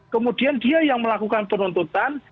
kemudian dia yang melakukan penuntutan